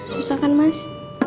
susah kan mas